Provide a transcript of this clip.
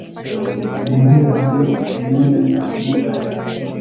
Mu ntebe hari Morien Morgan